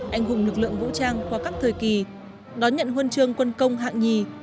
anh hùng lực lượng vũ trang qua các thời kỳ đón nhận huân chương quân công hạng nhì